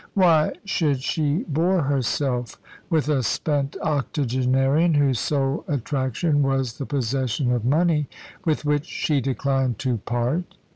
Why should she bore herself with a spent octogenarian, whose sole attraction was the possession of money, with which she declined to part?